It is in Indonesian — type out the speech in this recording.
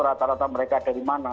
rata rata mereka dari mana